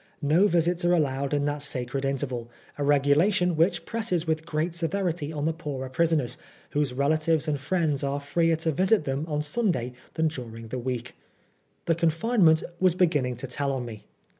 No visits are allowed in that sacred interval, a regulation which presses with great severity on the poorer prisoners, whose relatives and friends are freer to visit them on Sunday than during the week. The confinement was beginning to tell on me.